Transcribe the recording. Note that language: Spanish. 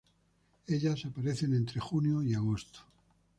Ellas aparecen entre junio y agosto.